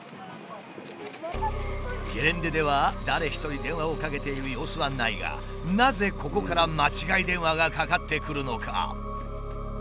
ゲレンデでは誰一人電話をかけている様子はないがなぜここから間違い電話がかかってくるのか？